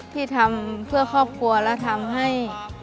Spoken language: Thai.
ที่ทำเพื่อครอบครัวและทำให้